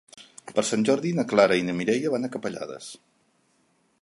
Per Sant Jordi na Clara i na Mireia van a Capellades.